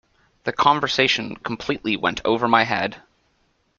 The conversation completely went over my head.